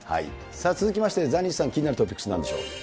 続きまして、ザニーさん、気になるトピックス、なんでしょう。